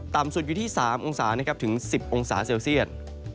ต่ำสุดอยู่ที่๓องศานะครับถึง๑๐องศาเซลเซียต